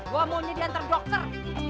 gue maunya diantar dokter